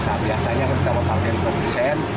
saat biasanya kita memakai target lima puluh desain